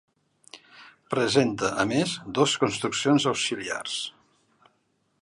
Presenta, a més, dos construccions auxiliars.